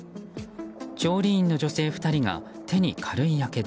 調理員の女性２人が手に軽いやけど。